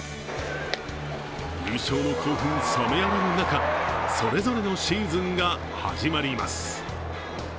優勝の興奮冷めやらぬ中、それぞれのシーズンが始まります。